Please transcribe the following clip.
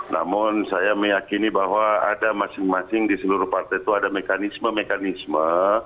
namun saya meyakini bahwa ada masing masing di seluruh partai itu ada mekanisme mekanisme